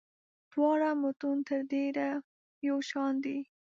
دواړه متون تر ډېره یو شان دي.